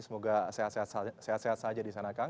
semoga sehat sehat saja di sana kang